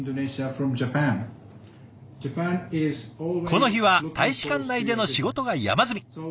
この日は大使館内での仕事が山積み。